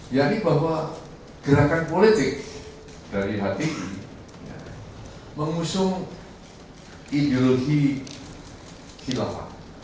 yang ini bahwa gerakan politik dari hti mengusung ideologi kilapah